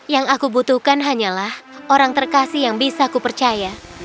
yang aku butuhkan hanyalah orang terkasih yang bisa kupercaya